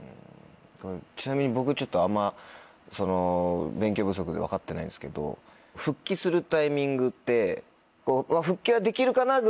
ちなみに僕ちょっとあんま勉強不足で分かってないんすけど復帰するタイミングって。